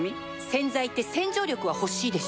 洗剤って洗浄力は欲しいでしょ